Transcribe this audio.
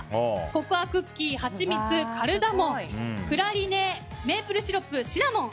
ココアクッキー、はちみつカルダモンプラリネ、メープルシロップシナモン。